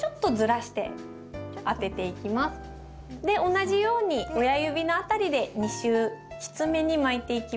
同じように親指の辺りで２周きつめに巻いていきます。